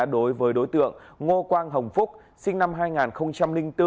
đối với đối tượng ngô quang hồng phúc sinh năm hai nghìn bốn